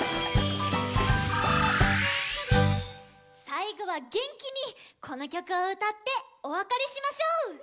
さいごはげんきにこのきょくをうたっておわかれしましょう！